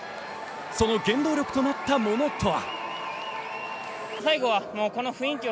その原動力となったものとは。